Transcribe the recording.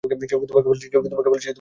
কেউ কি তোমাকে বলেছে এসব করতে?